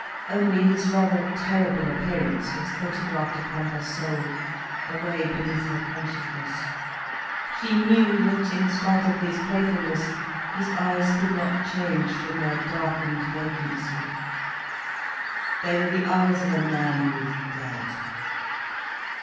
Only his rather terrible appearance was photographed upon her soul, away beneath her consciousness. She knew that, in spite of his playfulness, his eyes could not change from their darkened vacancy, they were the eyes of a man who is dead.